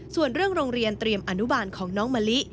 ส่วนเรื่องโรงเรียนเตรียมอนุบาลของน้องมะลิ